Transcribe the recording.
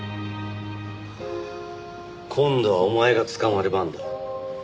今度はお前が捕まる番だ。